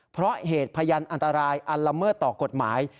เพราะเหตุพยานอันตรายอันละเมิดต่อกฎหมาย